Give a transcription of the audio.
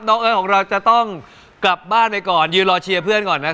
เอ้ยของเราจะต้องกลับบ้านไปก่อนยืนรอเชียร์เพื่อนก่อนไหม